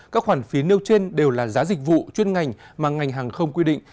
các khoản phí nêu trên đều là giá dịch vụ chuyên ngành mà ngành hàng không quy định